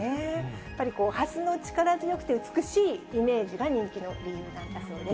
やはりハスの力強くて美しいイメージが人気の理由なんだそうです。